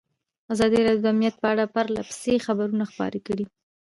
ازادي راډیو د امنیت په اړه پرله پسې خبرونه خپاره کړي.